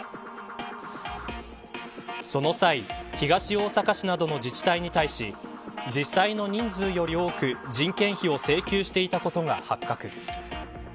その際東大阪市などの自治体に対し実際の人数より多く、人件費を請求していたことが発覚。